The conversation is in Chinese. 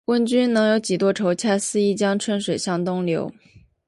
问君能有几多愁？恰似一江春水向东流